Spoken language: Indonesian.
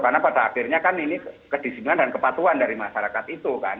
karena pada akhirnya kan ini kedisihan dan kepatuhan dari masyarakat itu kan